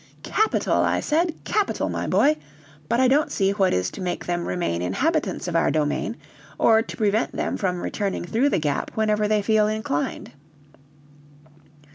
"Capital," I said, "capital, my boy! But I don't see what is to make them remain inhabitants of our domain, or to prevent them from returning through the Gap whenever they feel inclined."